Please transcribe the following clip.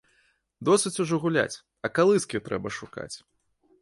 Досыць ужо гуляць, а калыскі трэба шукаць.